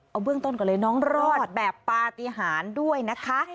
เอาเบื้องต้นก่อนเลยน้องรอดแบบปฏิหารด้วยนะคะ